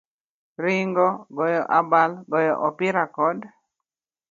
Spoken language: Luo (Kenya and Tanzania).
Ringo, goyo abal, goyo opira, kod